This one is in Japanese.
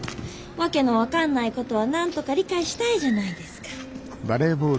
訳の分かんないことはなんとか理解したいじゃないですか。